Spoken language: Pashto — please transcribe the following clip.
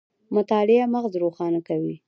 مطالعه مغز روښانه کوي